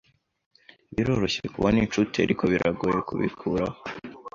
Biroroshye kubona inshuti, ariko biragoye kubikuraho.